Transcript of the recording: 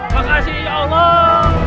makasih ya allah